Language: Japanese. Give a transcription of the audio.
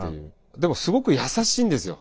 でもすごく優しいんですよ。